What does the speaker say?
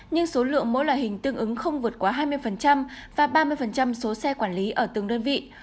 nhưng số lượng mỗi loại hình tương ứng không vượt quá hai mươi và ba mươi số xe quản lý ở từng đơn vị